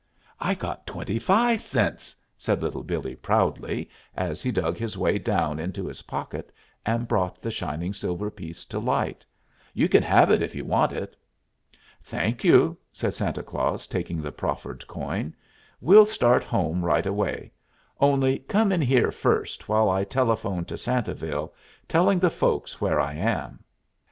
"I got twenty fi' cents," said Little Billee proudly, as he dug his way down into his pocket and brought the shining silver piece to light. "You can have it, if you want it." "Thank you," said Santa Claus, taking the proffered coin. "We'll start home right away; only come in here first, while I telephone to Santaville, telling the folks where I am."